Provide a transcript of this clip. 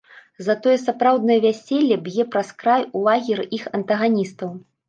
Затое сапраўднае вяселле б'е праз край у лагеры іх антаганістаў.